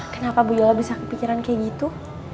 kenapa bu yola bisa kepikiran kayak gitu